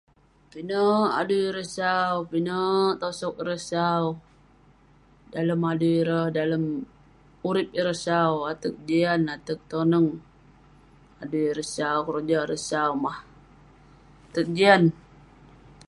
Pinek adui ireh sau, pinek tosog ireh sau. Dalem adui ireh, dalem urip ireh sau. Ateg jian, ateg toneng. Adui ireh sau, keroja ireh sau mah. Ateg jian.